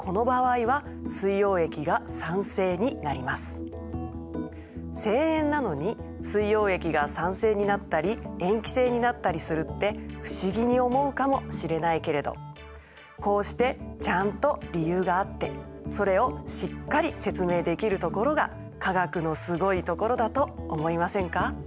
この反応でこの現象がまた正塩なのに水溶液が酸性になったり塩基性になったりするって不思議に思うかもしれないけれどこうしてちゃんと理由があってそれをしっかり説明できるところが化学のすごいところだと思いませんか？